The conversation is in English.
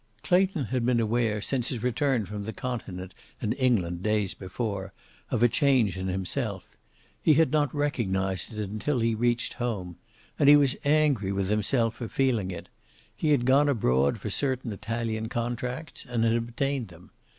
Clayton had been aware, since his return from the continent and England days before, of a change in himself. He had not recognized it until he reached home. And he was angry with himself for feeling it. He had gone abroad for certain Italian contracts and had obtained them.